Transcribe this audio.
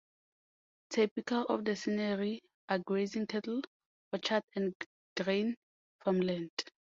Typical of the scenery are grazing cattle, orchards and grain farmland.